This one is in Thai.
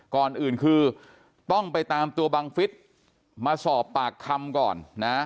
ก่อนอื่นคือต้องไปตามตัวบังฟิศมาสอบปากคำก่อนนะ